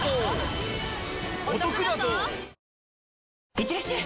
いってらっしゃい！